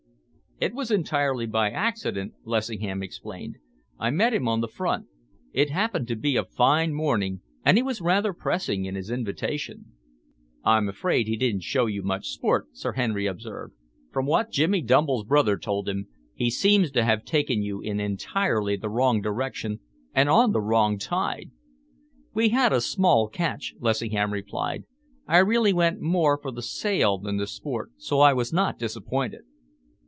"It was entirely by accident," Lessingham explained. "I met him on the front. It happened to be a fine morning, and he was rather pressing in his invitation." "I'm afraid he didn't show you much sport," Sir Henry observed. "From what Jimmy Dumble's brother told him, he seems to have taken you in entirely the wrong direction, and on the wrong tide." "We had a small catch," Lessingham replied. "I really went more for the sail than the sport, so I was not disappointed."